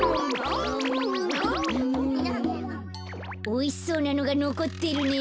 おいしそうなのがのこってるね。